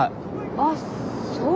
あっそう。